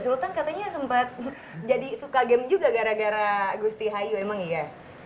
sultan katanya sempat jadi suka game juga gara gara gusti hayu emang iya